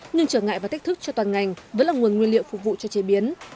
nhưng trở ngại và thách thức cho toàn ngành vẫn là nguồn nguyên liệu phục vụ cho chế biến